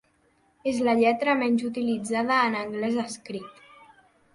És la lletra menys utilitzada en anglès escrit.